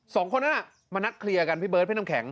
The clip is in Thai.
สองคนนั่นอ่ะมานักเคลียร์กันพี่เบิ๊ธพี่น้องแข็ง